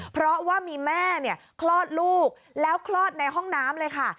เพราะว่ามีแม่คลอดลูกแล้วคลอดในห้องน้ำเลยค่ะ